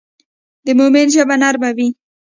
د مؤمن ژبه نرم وي.